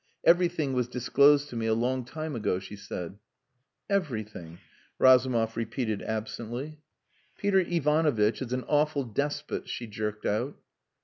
"Everything was disclosed to me a long time ago," she said. "Everything," Razumov repeated absently. "Peter Ivanovitch is an awful despot," she jerked out.